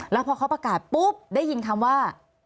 แล้วพอเขาประกาศปุ๊บได้ยินคำว่า